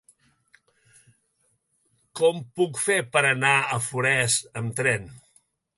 Com ho puc fer per anar a Forès amb tren?